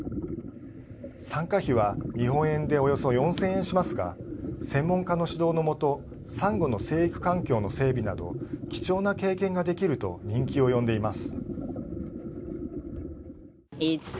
参加費は日本円でおよそ４０００円しますが専門家の指導の下さんごの成育環境の整備など貴重な経験ができると人気を呼んでいます。